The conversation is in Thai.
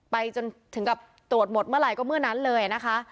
ไปจนถึงกับตรวจหมดเมื่อไหร่ก็เมื่อนั้นเลยนะคะ